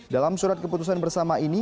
dalam surat keputusan bersama ini